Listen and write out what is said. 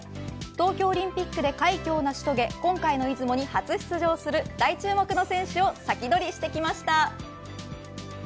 東京オリンピックで快挙を成し遂げ今回の出雲に初出場する大注目の選手を先取りしてきました。